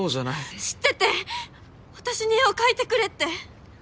知ってて私に絵を描いてくれって。